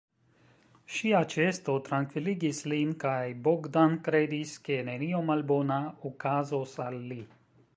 Ŝia ĉeesto trankviligis lin kaj Bogdan kredis, ke nenio malbona okazos al li.